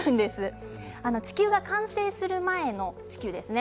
地球が完成する前の星ですね。